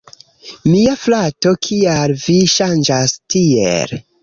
Mia frato, kial vi ŝanĝas tiel?